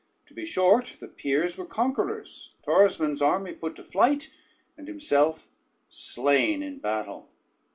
To be short, the peers were conquerors, Torismond's army put to flight, and himself slain in battle.